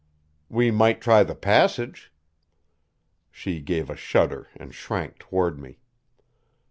"We might try the passage." She gave a shudder and shrank toward me.